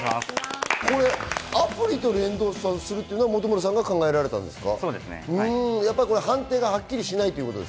アプリと連動するというのを本村さんが考えられたんですか？